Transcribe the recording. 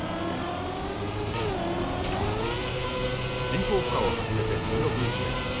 人工孵化を始めて１６日目。